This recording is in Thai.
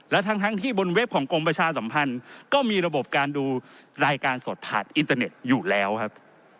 และทั้งที่บนเว็บของกรมประชาสัมพันธ์ก็มีระบบการดูรายการสดผ่านอินเตอร์เน็ตอยู่แล้วครับ